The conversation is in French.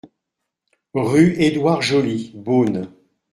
Rue Edouard Joly, Beaune